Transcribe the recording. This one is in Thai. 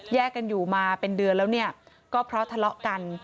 กันอยู่มาเป็นเดือนแล้วเนี่ยก็เพราะทะเลาะกัน